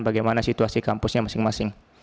bagaimana situasi kampusnya masing masing